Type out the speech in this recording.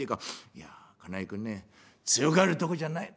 「いや金井君ね強がるとこじゃない。